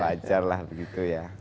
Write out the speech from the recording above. wajar lah begitu ya